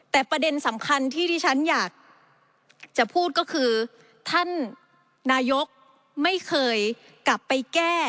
แต่ประเด็นสำคัญที่ที่ฉันอยากจะพูดก็คือท่านนายกไม่เคยกลับไปแก้